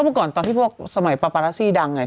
เมื่อก่อนตอนที่พวกสมัยปาปารัสซี่ดังอ่ะ